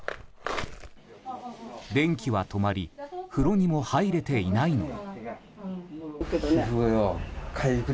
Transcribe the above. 電気は止まり風呂にも入れていないのに。